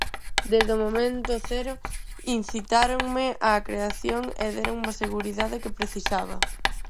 Desde o momento cero incitáronme á creación e déronme a seguridade que precisaba.